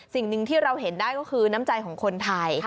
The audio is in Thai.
สิ่งหนึ่งที่เราเห็นได้ก็คือน้ำใจของคนไทย